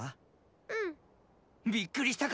うん。びっくりしたか？